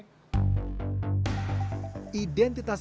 identitas produk pembangunan